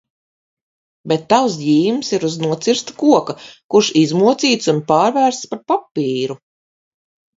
Bet tavs ģīmis ir uz nocirsta koka, kurš izmocīts un pārvērsts par papīru.